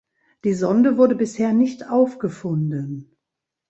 Die Sonde wurde bisher nicht aufgefunden.